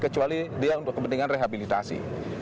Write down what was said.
kecuali dia untuk kepentingan rehabilitasi